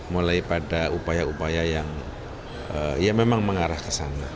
mulai pada upaya upaya yang ya memang mengarah ke sana